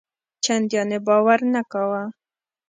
چنداني باور نه کاوه.